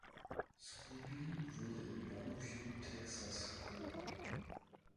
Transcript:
Scobee wurde in Longview, Texas, geboren.